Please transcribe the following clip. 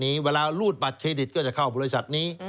เวลารูดบัตรเครดิตก็จะเข้าบริษัทนี้